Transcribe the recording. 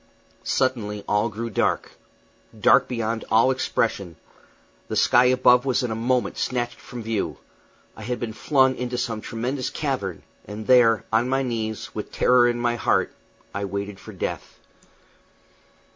Suddenly all grew dark dark beyond all expression; the sky above was in a moment snatched from view; I had been flung into some tremendous cavern; and there, on my knees, with terror in my heart, I waited for death.